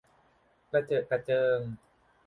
กระเจอะกระเจิง